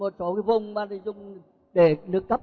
một số cái vùng mà chúng để nước cấp